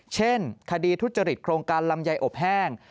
เช่นคดีทุจริตโครงการลำไยอบแห้ง